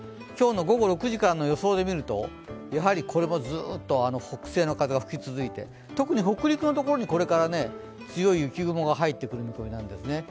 今日の午後６時からの予想で見るとこれもずっと北西の風が吹き続いて、特に北陸のところに強い北風が入ってくるわけですね。